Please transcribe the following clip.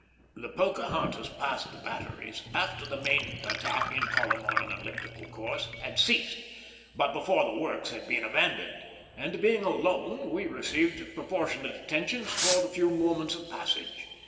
The Pocahontas passed the batteries after the main attack, in column on an elliptical course, had ceased, but before the works had been abandoned; and being alone we received proportionate attention for the few moments of passage.